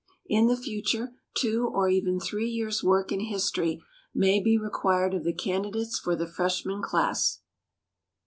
In the future two or even three years' work in history may be required of the candidates for the freshman class.